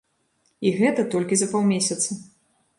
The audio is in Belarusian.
І гэта толькі за паўмесяца.